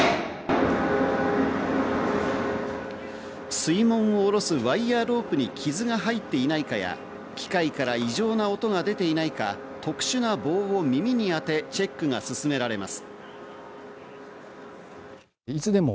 水門を下ろすワイヤーロープに傷が入っていないかや、機械から異常な音が出ていないか特殊な棒を耳にあて、チェックが進められます。